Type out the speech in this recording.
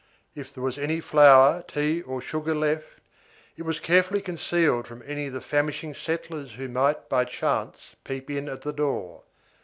If there was any flour, tea, or sugar left, it was carefully concealed from any of the famishing settlers who might by chance peep in at the door.